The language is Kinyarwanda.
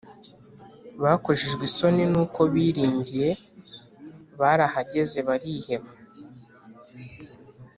bakojejwe isoni n’uko biringiye, barahageze bariheba